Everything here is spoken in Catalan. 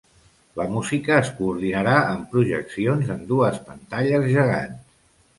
La música es coordinarà amb projeccions en dues pantalles gegants.